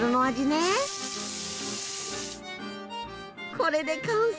これで完成。